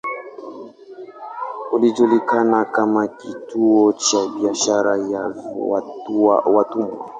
Ilijulikana kama kituo cha biashara ya watumwa.